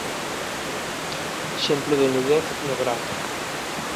Exemplo de nudez etnográfica.